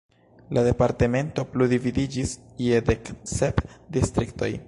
La departemento plu dividiĝis je dek sep distriktoj.